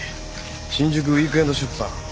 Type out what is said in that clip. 新宿ウィークエンド出版」